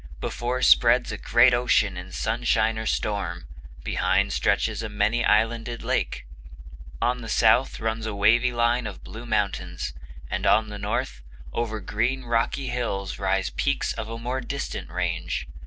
Before spreads a great ocean in sunshine or storm; behind stretches a many islanded lake. On the south runs a wavy line of blue mountains; and on the north, over green rocky hills rise peaks of a more distant range.